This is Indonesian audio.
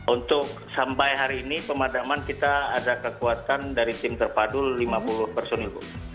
untuk sampai hari ini pemadaman kita ada kekuatan dari tim terpadu lima puluh personil bu